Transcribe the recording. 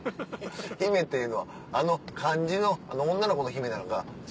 「ひめ」っていうのはあの漢字の女の子の「姫」なのか違うの？